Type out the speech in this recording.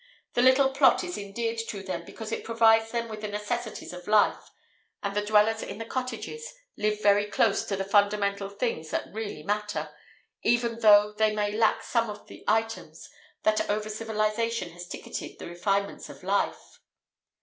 The little plot is endeared to them because it provides them with the necessities of life, and the dwellers in the cottages live very close to the fundamental things that really matter, even though they may lack some of the items that over civilization has ticketed the refinements of life.